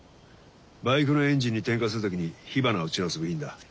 バイクのエンジンに点火する時に火花を散らす部品だ。